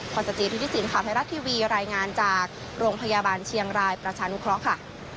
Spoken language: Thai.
ขวัญสจีนที่ที่สินข่าวไทยรัฐทีวีรายงานจากโรงพยาบาลเชียงรายประชานุคร็อกค่ะ